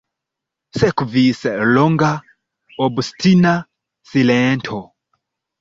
Sekvis longa, obstina silento.